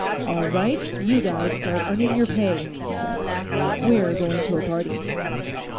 "All right; you guys start earning your pay," he said. "We're going to a party."